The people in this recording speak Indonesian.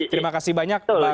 terima kasih banyak bang